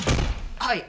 はい。